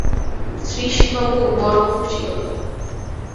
শ্রীশবাবু, বড়ো খুশি হলুম!